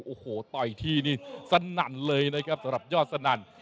โอ้โหต่อยที่นี่สนั่นเลยนะครับสำหรับยอดสนั่น